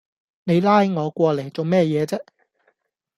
你拉我過嚟做咩嘢啫